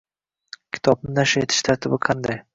Kitobni nashr etish tartibi qanday?